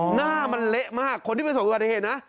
หน้ามันเละมากคนที่เป็นศพประเทศนะ